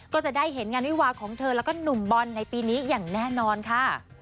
ก็จะได้เห็นงานวิวาของเธอแล้วก็หนุ่มบอลในปีนี้อย่างแน่นอนค่ะ